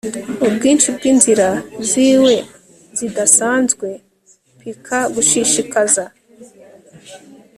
Ubwinshi bwinzira ziwe zidasanzwe piquant gushishikaza